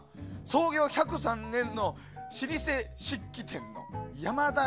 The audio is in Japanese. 創業１０３年の老舗漆器店山田